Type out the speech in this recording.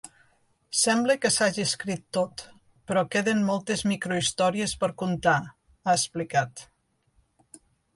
Sembla que s’hagi escrit tot però queden moltes microhistòries per contar, ha explicat.